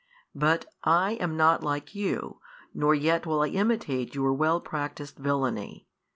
But I am not like you, nor yet will I imitate your well practised villany.